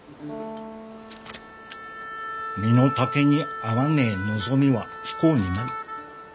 身の丈に合わねえ望みは不幸になる。